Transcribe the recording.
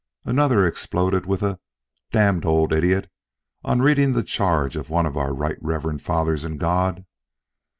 Another exploded with a "Damned old idiot!" on reading the charge of one of our Right Reverend Fathers in God.